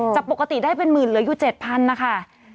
จากปกติได้เป็นหมื่นเหลืออยู่๗๐๐นะคะ